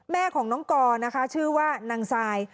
แม่ของน้องกอนะคะชื่อว่านางซาย